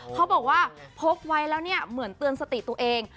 เขาบอกว่าพกไว้แล้วเนี่ยเหมือนเตือนสติตัวเอง